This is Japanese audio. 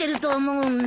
うん。